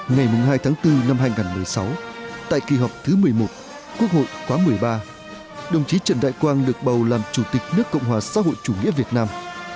ngày hai tháng bốn năm hai nghìn một mươi sáu tại kỳ họp thứ một mươi một quốc hội khóa một mươi ba đồng chí trần đại quang được bầu làm chủ tịch nước cộng hòa xã hội chủ nghĩa việt nam